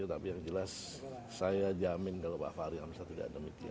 tapi yang jelas saya jamin kalau pak fahri hamzah tidak demikian